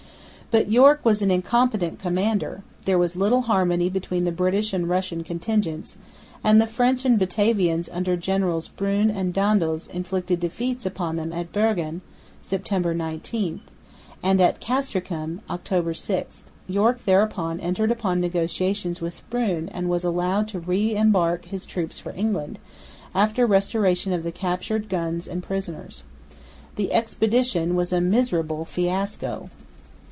But York was an incompetent commander; there was little harmony between the British and Russian contingents; and the French and Batavians under Generals Brune and Daendels inflicted defeats upon them at Bergen (September 19), and at Castricum (October 6). York thereupon entered upon negotiations with Brune and was allowed to re embark his troops for England, after restoration of the captured guns and prisoners. The expedition was a miserable fiasco.